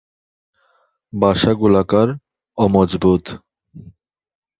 বাসা গোলাকার ও মজবুত।